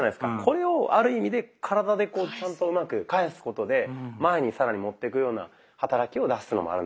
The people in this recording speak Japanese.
これをある意味で体でこうちゃんとうまく返すことで前に更に持ってくような働きを出すのもあるんですよね。